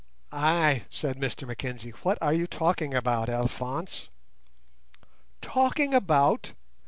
"Ay," said Mr Mackenzie; "what are you talking about, Alphonse?" "Talking about!"